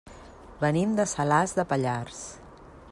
Venim de Salàs de Pallars.